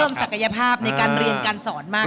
เพิ่มศักยภาพในการเรียนการสอนมากขึ้น